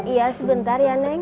iya sebentar ya neng